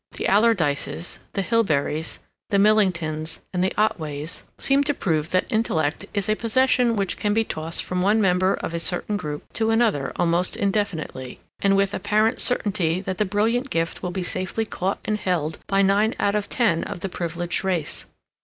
The Alardyces, the Hilberys, the Millingtons, and the Otways seem to prove that intellect is a possession which can be tossed from one member of a certain group to another almost indefinitely, and with apparent certainty that the brilliant gift will be safely caught and held by nine out of ten of the privileged race.